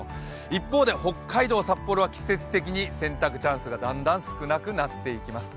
一方で北海道・札幌は季節的に洗濯チャンスがだんだんなくなっていきます。